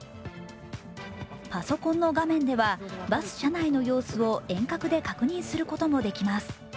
パソコンの画面では、バス車内の様子を遠隔で確認することもできます。